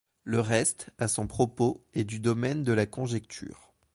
Le reste, à son propos, est du domaine de la conjecture.